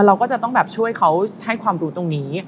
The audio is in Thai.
เราก็จะต้องแบบช่วยเขาให้ความรู้ตรงนี้